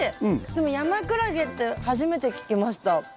でもヤマクラゲって初めて聞きました。